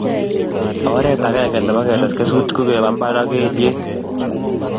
Oret agenge nebo ketes kesutik ko keba mbar ak kelyek